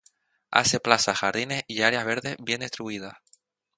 Hace plazas, jardines y áreas verdes bien distribuidas.